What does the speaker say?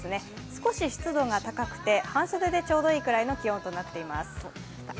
少し湿度が高くて半袖でちょうどいいくらいの気温となっています。